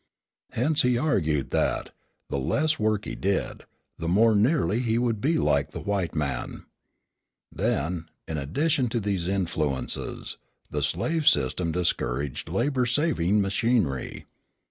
Hence he argued that, the less work he did, the more nearly he would be like the white man. Then, in addition to these influences, the slave system discouraged labour saving machinery.